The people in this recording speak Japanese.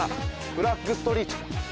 フラッグストリート。